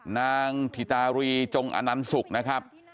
นางธิตารีจงอนันสุกนะครับ